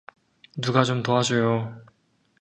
누가 좀 도와줘요!